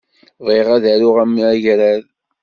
Bɣiɣ ad d-aruɣ amagrad.